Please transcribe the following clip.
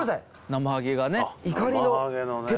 なまはげがね。